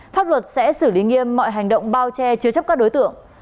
pháp luật sẽ xử lý nghiêm mọi hành động bao che chứa chấp các đối tượng